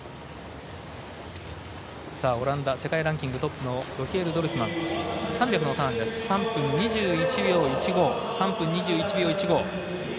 オランダ世界ランキングトップのロヒエル・ドルスマン３００のターン３分２１秒１５。